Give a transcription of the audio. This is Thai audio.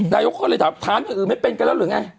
นายกก็เลยถามฐานอย่างอื่นไม่เป็นกันแล้วหรือไง